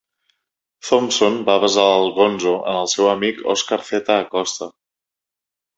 Thompson va basar el Gonzo en el seu amic Oscar Zeta Acosta.